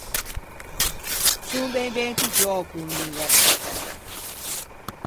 Son ben ben piggiou con l’universcitæ.